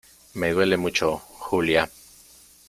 me duele mucho, Julia ,